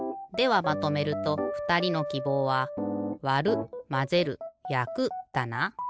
ではまとめるとふたりのきぼうは「わる」「まぜる」「やく」だな？